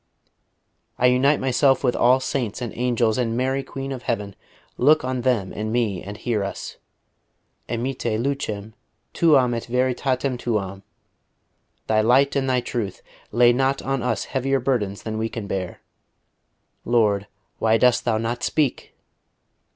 I unite myself with all saints and angels and Mary Queen of Heaven; look on them and me, and hear us. Emitte lucem tuam et veritatem tuam. Thy light and Thy truth! Lay not on us heavier burdens than we can bear. Lord, why dost Thou not speak!"